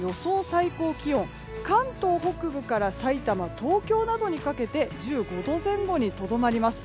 最高気温関東北部からさいたま、東京などにかけて１５度前後にとどまります。